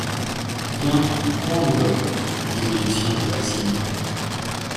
Tiens, prends l’enveloppe, disait Lucien à Maxime